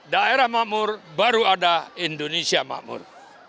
daerah makmur baru ada indonesia makmur